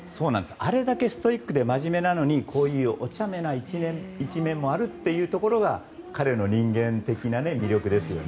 あれだけストイックで真面目なのにおちゃめな一面もあるところが彼の人間的な魅力ですよね。